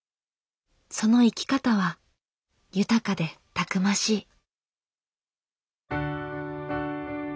その生き方は豊かでたくましい。